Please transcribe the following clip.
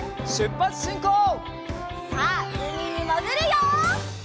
さあうみにもぐるよ！